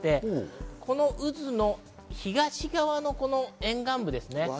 渦の東側の沿岸部です。